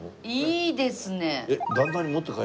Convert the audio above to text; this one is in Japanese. いいですね！